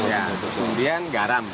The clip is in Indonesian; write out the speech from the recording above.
terus kemudian garam